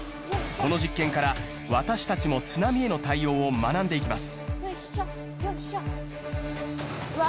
この実験から私達も津波への対応を学んでいきます